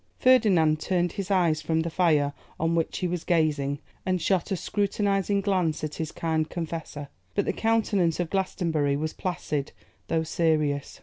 Ferdinand turned his eyes from the fire on which he was gazing, and shot a scrutinising glance at his kind confessor, but the countenance of Glastonbury was placid, though serious.